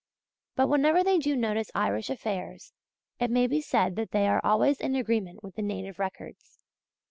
But whenever they do notice Irish affairs, it may be said that they are always in agreement with the native records.